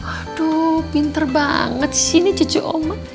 aduh pinter banget sih ini cucu umar